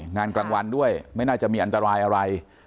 งานกลางวันด้วยไม่น่าจะมีอันตรายอะไร